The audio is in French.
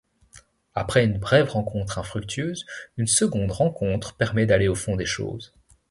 Après une brève rencontre infructueuse, une seconde rencontre permet d'aller au fond des choses.